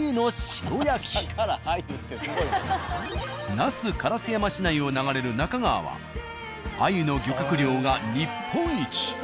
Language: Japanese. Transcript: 那須烏山市内を流れる那珂川は鮎の漁獲量が日本一。